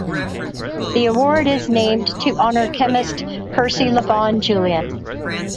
The award is named to honor chemist Percy Lavon Julian.